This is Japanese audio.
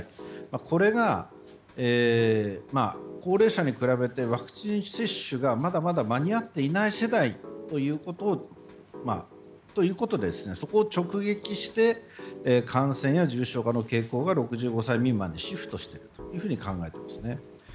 これが高齢者に比べてワクチン接種がまだまだ間に合っていない世代ということでそこを直撃して感染や重症化の傾向が６５歳未満にシフトしていると考えています。